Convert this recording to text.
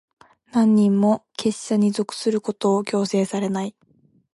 何人も、結社に属することを強制されない。